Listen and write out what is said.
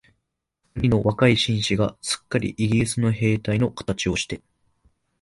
二人の若い紳士が、すっかりイギリスの兵隊のかたちをして、